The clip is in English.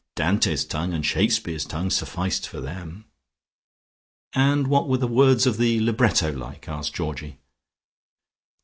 Dante's tongue and Shakespeare's tongue sufficed them.... "And what were the words of the libretto like?" asked Georgie.